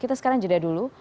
kita sekarang jeda dulu